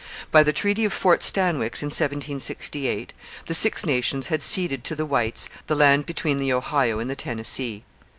By the Treaty of Fort Stanwix, in 1768, the Six Nations had ceded to the whites the land between the Ohio and the Tennessee.